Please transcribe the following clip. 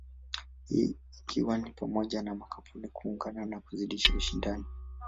Hii ikiwa ni pamoja na makampuni kuungana na kuzidisha ushindani.